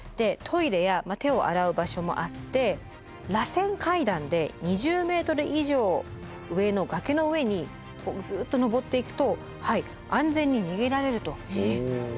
トイレや手を洗う場所もあってらせん階段で２０ｍ以上上の崖の上にずっと上っていくと安全に逃げられると。